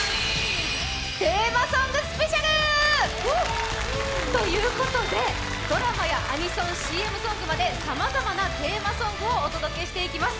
テーマソングスペシャル！ということでドラマはアニソン、ＣＭソングまでさまざまなテーマソングをお届けしていきます。